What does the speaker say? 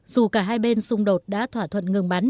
dù cả hai bên xung đột đã thỏa thuận ngừng bắn